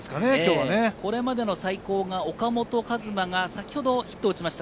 ここまで最高で岡本和真がヒットを打ちました。